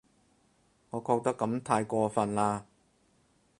我覺得噉太過份喇